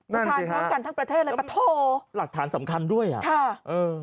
ตามทางการทั้งประเทศประโทษหลักฐานสำคัญด้วยอ่ะค่ะ